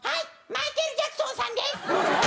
マイケル・ジャクソンさんです！